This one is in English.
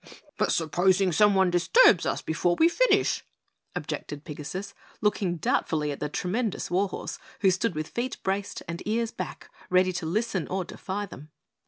"But supposing someone disturbs us before we finish," objected Pigasus, looking doubtfully at the tremendous war horse, who stood with feet braced and ears back ready to listen or defy them.